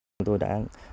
chúng tôi đã